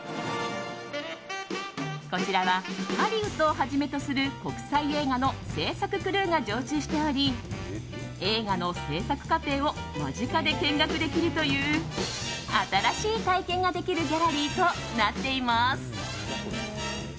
こちらはハリウッドをはじめとする国際映画の制作クルーが常駐しており映画の制作過程を間近で見学できるという新しい体験ができるギャラリーとなっています。